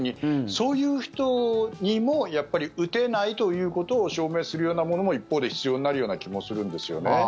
そういう人にもやっぱり打てないということを証明するようなものも一方で必要になるような気もするんですよね。